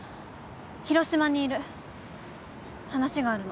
広島にいる。